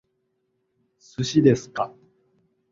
寿司ですか？